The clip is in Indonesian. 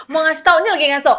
mau ngasih tau nih lagi ngasih tau